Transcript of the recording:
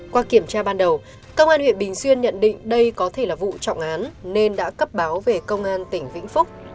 qua kiểm tra ban đầu công an huyện bình xuyên nhận định đây có thể là vụ trọng án nên đã cấp báo về công an tỉnh vĩnh phúc